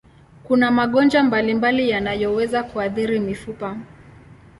Kuna magonjwa mbalimbali yanayoweza kuathiri mifupa.